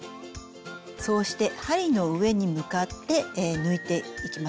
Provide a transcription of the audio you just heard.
そうして針の上に向かって抜いていきましょう。